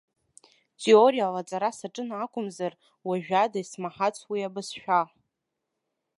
Теориала аҵара сыҿын акәымзар, уажәада исмаҳац уи абызшәа.